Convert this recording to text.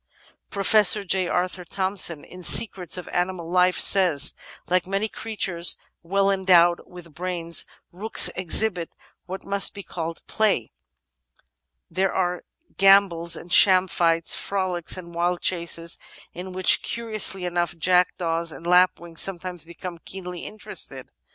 Professor J. Arthur Thomson, in Secrets of Animal Life, says : ''Like many creatures well endowed with brains, rooks ex hibit what must be called play. There are gambols and sham fights, frolics and wild chases, in which, curiously enough, jack* daws and lapwings sometimes become keenly interested.